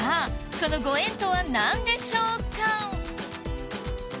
そのご縁とは何でしょうか？